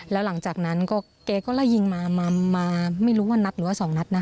แล้วหลังจากนั้นก็แกก็ไล่ยิงมามาไม่รู้ว่านัดหรือว่าสองนัดนะ